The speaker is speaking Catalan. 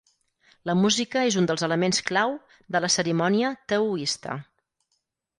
La música és un dels elements clau de la cerimònia taoista.